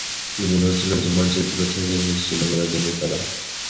মনে হচ্ছিল যে মানচিত্র থেকে নিশ্চিহ্ন করে দেবে তারা।